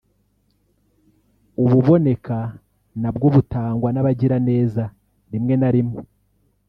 ububoneka nabwo butangwa n’abagiraneza rimwe na rimwe